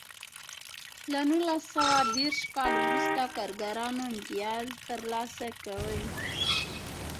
له نولس سوه دېرش کال وروسته کارګرانو امتیاز ترلاسه کوی.